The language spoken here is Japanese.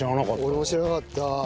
俺も知らなかった。